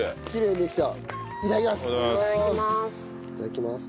いただきます。